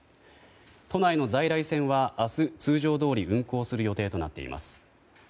都内の在来線は明日、通常どおり運行する予定となっています。